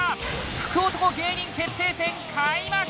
福男芸人決定戦開幕